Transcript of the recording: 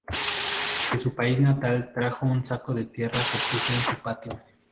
De su país natal trajo un saco de tierra que puso en su patio.